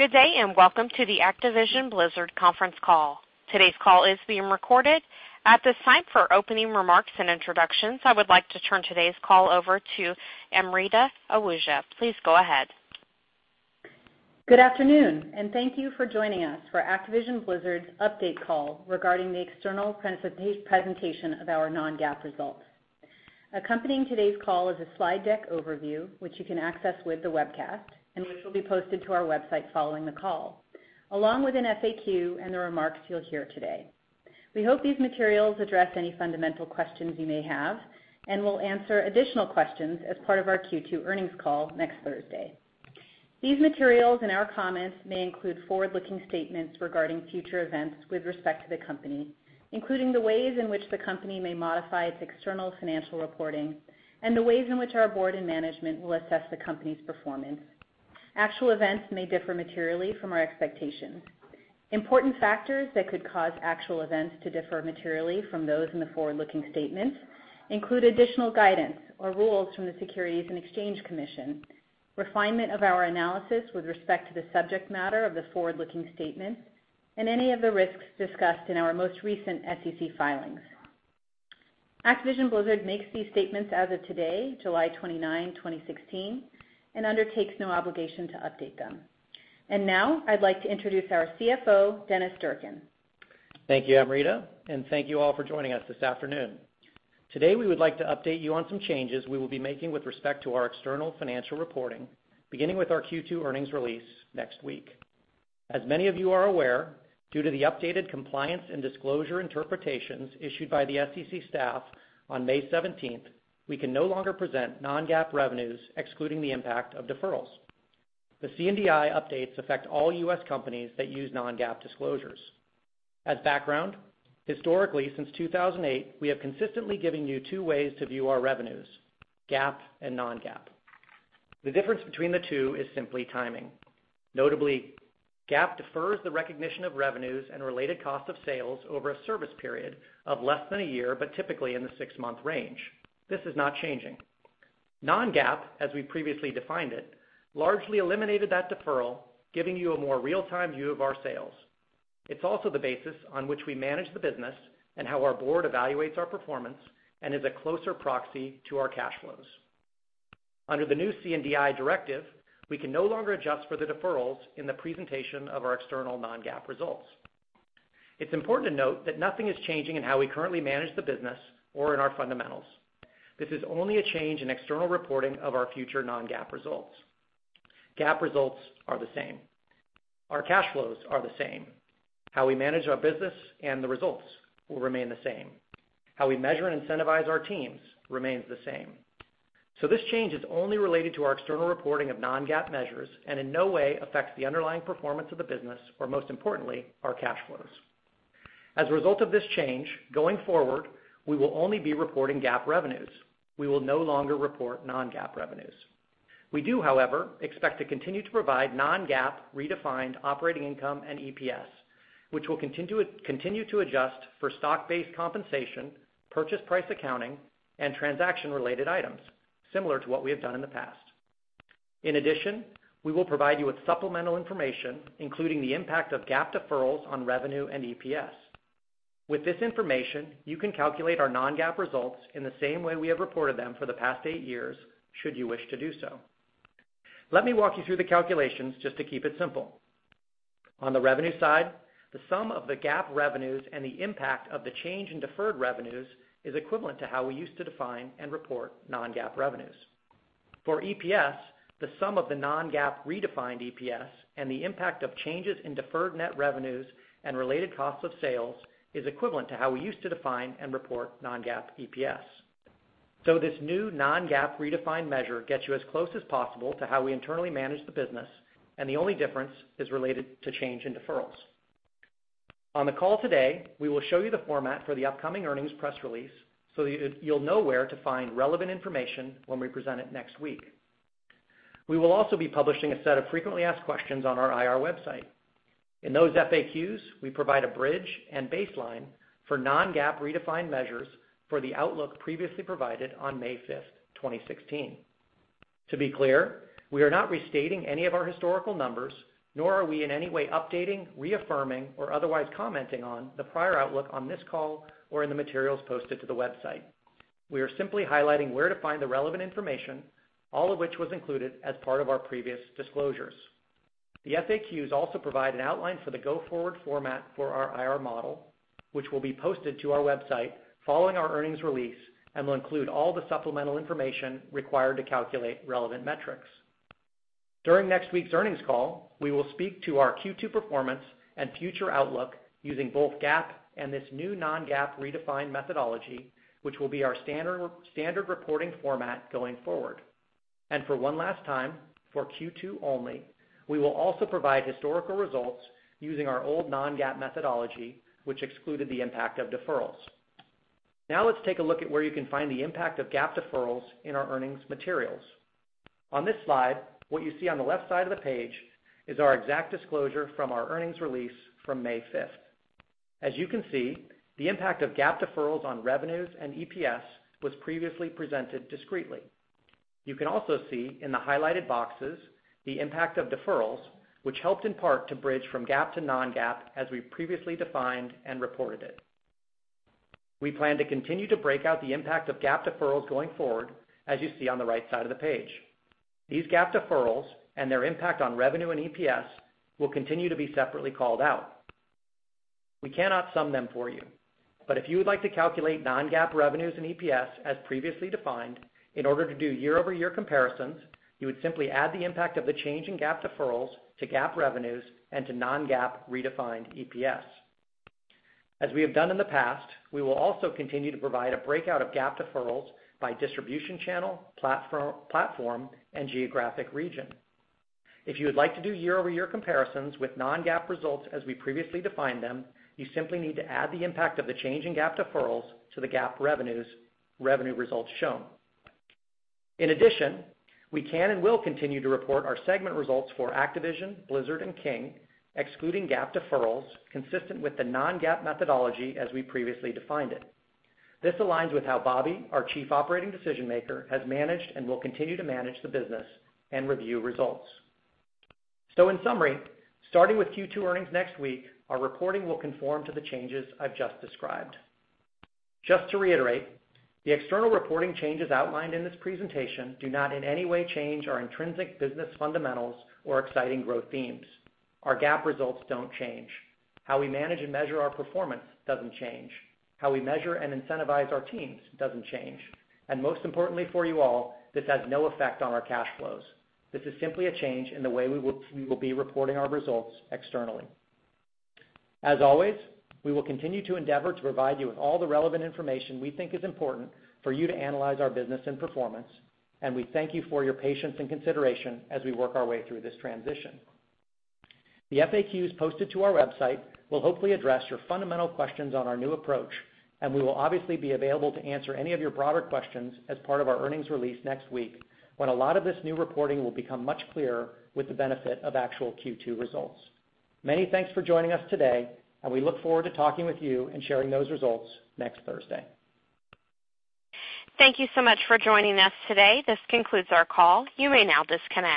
Good day, welcome to the Activision Blizzard conference call. Today's call is being recorded. At this time, for opening remarks and introductions, I would like to turn today's call over to Amrita Ahuja. Please go ahead. Good afternoon, thank you for joining us for Activision Blizzard's update call regarding the external presentation of our non-GAAP results. Accompanying today's call is a slide deck overview, which you can access with the webcast, which will be posted to our website following the call, along with an FAQ and the remarks you'll hear today. We hope these materials address any fundamental questions you may have, we'll answer additional questions as part of our Q2 earnings call next Thursday. These materials our comments may include forward-looking statements regarding future events with respect to the company, including the ways in which the company may modify its external financial reporting and the ways in which our board and management will assess the company's performance. Actual events may differ materially from our expectations. Important factors that could cause actual events to differ materially from those in the forward-looking statements include additional guidance or rules from the Securities and Exchange Commission, refinement of our analysis with respect to the subject matter of the forward-looking statements, any of the risks discussed in our most recent SEC filings. Activision Blizzard makes these statements as of today, July 29, 2016, undertakes no obligation to update them. Now I'd like to introduce our CFO, Dennis Durkin. Thank you, Amrita, thank you all for joining us this afternoon. Today, we would like to update you on some changes we will be making with respect to our external financial reporting, beginning with our Q2 earnings release next week. As many of you are aware, due to the updated compliance and disclosure interpretations issued by the SEC staff on May 17th, we can no longer present non-GAAP revenues excluding the impact of deferrals. The C&DI updates affect all U.S. companies that use non-GAAP disclosures. As background, historically, since 2008, we have consistently given you two ways to view our revenues, GAAP and non-GAAP. The difference between the two is simply timing. Notably, GAAP defers the recognition of revenues and related cost of sales over a service period of less than a year, typically in the six-month range. This is not changing. Non-GAAP, as we previously defined it, largely eliminated that deferral, giving you a more real-time view of our sales. It's also the basis on which we manage the business and how our board evaluates our performance and is a closer proxy to our cash flows. Under the new C&DI directive, we can no longer adjust for the deferrals in the presentation of our external non-GAAP results. It's important to note that nothing is changing in how we currently manage the business or in our fundamentals. This is only a change in external reporting of our future non-GAAP results. GAAP results are the same. Our cash flows are the same. How we manage our business and the results will remain the same. How we measure and incentivize our teams remains the same. This change is only related to our external reporting of non-GAAP measures and in no way affects the underlying performance of the business or, most importantly, our cash flows. As a result of this change, going forward, we will only be reporting GAAP revenues. We will no longer report non-GAAP revenues. We do, however, expect to continue to provide non-GAAP redefined operating income and EPS, which will continue to adjust for stock-based compensation, purchase price accounting, and transaction-related items, similar to what we have done in the past. In addition, we will provide you with supplemental information, including the impact of GAAP deferrals on revenue and EPS. With this information, you can calculate our non-GAAP results in the same way we have reported them for the past eight years, should you wish to do so. Let me walk you through the calculations just to keep it simple. On the revenue side, the sum of the GAAP revenues and the impact of the change in deferred revenues is equivalent to how we used to define and report non-GAAP revenues. For EPS, the sum of the non-GAAP redefined EPS and the impact of changes in deferred net revenues and related cost of sales is equivalent to how we used to define and report non-GAAP EPS. This new non-GAAP redefined measure gets you as close as possible to how we internally manage the business, and the only difference is related to change in deferrals. On the call today, we will show you the format for the upcoming earnings press release so that you'll know where to find relevant information when we present it next week. We will also be publishing a set of frequently asked questions on our IR website. In those FAQs, we provide a bridge and baseline for non-GAAP redefined measures for the outlook previously provided on May 5th, 2016. To be clear, we are not restating any of our historical numbers, nor are we in any way updating, reaffirming, or otherwise commenting on the prior outlook on this call or in the materials posted to the website. We are simply highlighting where to find the relevant information, all of which was included as part of our previous disclosures. The FAQs also provide an outline for the go-forward format for our IR model, which will be posted to our website following our earnings release and will include all the supplemental information required to calculate relevant metrics. During next week's earnings call, we will speak to our Q2 performance and future outlook using both GAAP and this new non-GAAP redefined methodology, which will be our standard reporting format going forward. For one last time, for Q2 only, we will also provide historical results using our old non-GAAP methodology, which excluded the impact of deferrals. Let's take a look at where you can find the impact of GAAP deferrals in our earnings materials. On this slide, what you see on the left side of the page is our exact disclosure from our earnings release from May 5th. As you can see, the impact of GAAP deferrals on revenues and EPS was previously presented discretely. You can also see in the highlighted boxes the impact of deferrals, which helped in part to bridge from GAAP to non-GAAP as we previously defined and reported it. We plan to continue to break out the impact of GAAP deferrals going forward, as you see on the right side of the page. These GAAP deferrals and their impact on revenue and EPS will continue to be separately called out. We cannot sum them for you. If you would like to calculate non-GAAP revenues and EPS as previously defined in order to do year-over-year comparisons, you would simply add the impact of the change in GAAP deferrals to GAAP revenues and to non-GAAP redefined EPS. As we have done in the past, we will also continue to provide a breakout of GAAP deferrals by distribution channel, platform, and geographic region. If you would like to do year-over-year comparisons with non-GAAP results as we previously defined them, you simply need to add the impact of the change in GAAP deferrals to the GAAP revenue results shown. In addition, we can and will continue to report our segment results for Activision, Blizzard, and King, excluding GAAP deferrals, consistent with the non-GAAP methodology as we previously defined it. This aligns with how Bobby, our Chief Operating Decision Maker, has managed and will continue to manage the business and review results. In summary, starting with Q2 earnings next week, our reporting will conform to the changes I've just described. Just to reiterate, the external reporting changes outlined in this presentation do not in any way change our intrinsic business fundamentals or exciting growth themes. Our GAAP results don't change. How we manage and measure our performance doesn't change. How we measure and incentivize our teams doesn't change. Most importantly for you all, this has no effect on our cash flows. This is simply a change in the way we will be reporting our results externally. As always, we will continue to endeavor to provide you with all the relevant information we think is important for you to analyze our business and performance, and we thank you for your patience and consideration as we work our way through this transition. The FAQs posted to our website will hopefully address your fundamental questions on our new approach, and we will obviously be available to answer any of your broader questions as part of our earnings release next week when a lot of this new reporting will become much clearer with the benefit of actual Q2 results. Many thanks for joining us today, and we look forward to talking with you and sharing those results next Thursday. Thank you so much for joining us today. This concludes our call. You may now disconnect.